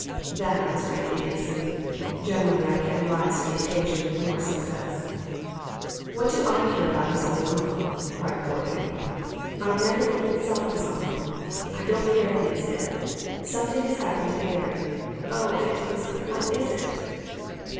That was rank idiocy. Generally I can rise to the occasion with more success. "What do I care about his old uncle?" cried poor Peggy. "I never even saw his uncle. I don't care if he is dead. Something has happened to Harry. Oh, Aunt Elizabeth, what is it?"